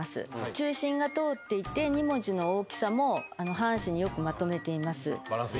中心が通っていて２文字の大きさも半紙によくまとめています。